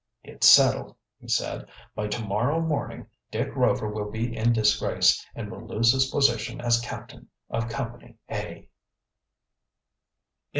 "It's settled," he said. "By to morrow morning Dick Rover will be in disgrace and will lose his position as captain of Company A."